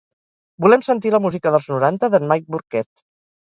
Volem sentir la música dels noranta d'en Mike Burkett.